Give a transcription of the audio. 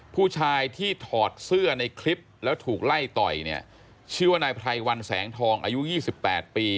ผู้ชายที่ถอดเสื้อในคลิปแล้วถูกไล่ต่อยเนี่ยชื่อว่านายไพรวันแสงทองอายุ๒๘ปี